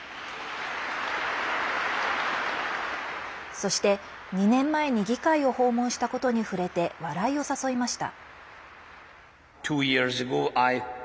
そして、２年前に議会を訪問したことに触れて笑いを誘いました。